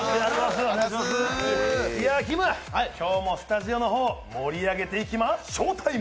今日もスタジオの方、盛り上げて行きまショータイム！